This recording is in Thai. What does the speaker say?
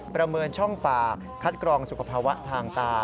ประเมินช่องฝากคัดกรองสุขภาวะทางตา